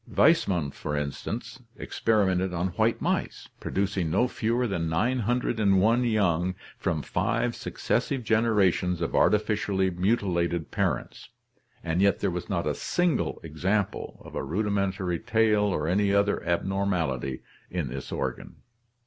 Weismann, for instance, experimented on white mice, producing no fewer than 901 young from five successive generations of arti ficially mutilated parents, and yet there was not a single example of a rudimentary tail or any other abnormality in this organ.